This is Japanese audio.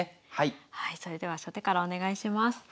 はいそれでは初手からお願いします。